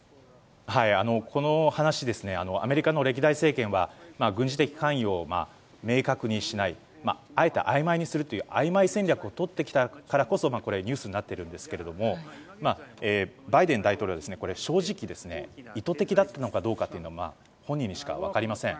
この話、アメリカの歴代政権は軍事的関与を明確にしないあえてあいまいにするというあいまい戦略をとってきたからこそニュースになっているんですけどバイデン大統領は正直意図的だったのかどうか本人にしか分かりません。